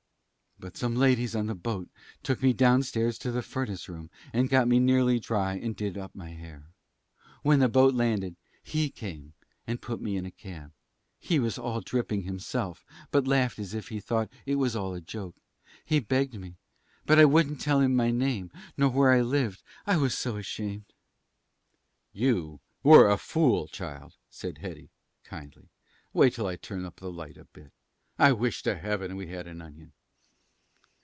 "But some ladies on the boat took me downstairs to the furnace room and got me nearly dry and did up my hair. When the boat landed, he came and put me in a cab. He was all dripping himself, but laughed as if he thought it was all a joke. He begged me, but I wouldn't tell him my name nor where I lived, I was so ashamed." "You were a fool, child," said Hetty, kindly. "Wait till I turn the light up a bit. I wish to Heaven we had an onion."